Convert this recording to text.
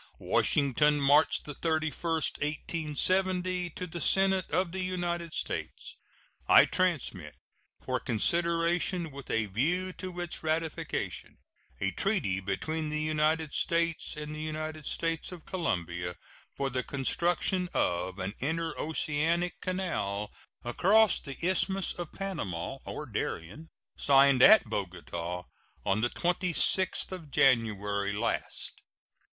WASHINGTON, March 31, 1870. To the Senate of the United States: I transmit, for consideration with a view to its ratification, a treaty between the United States and the United States of Colombia for the construction of an interoceanic canal across the Isthmus of Panama or Darien, signed at Bogota on the 26th of January last.